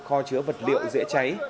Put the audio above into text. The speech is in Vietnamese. kho chứa vật liệu dễ cháy